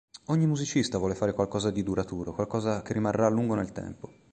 Ogni musicista vuole fare qualcosa di duraturo, qualcosa che rimarrà a lungo nel tempo.